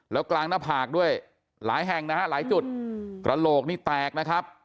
แล้วกลางหน้าผากด้วยหลายแห่งนะฮะหลายจุดกระโหลกนี่แตกนะครับ